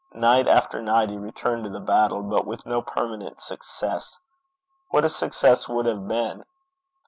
Night after night he returned to the battle, but with no permanent success. What a success that would have been!